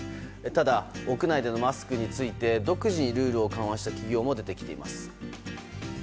ただ、屋内でのマスクについて独自にルールを緩和した企業も出てきています。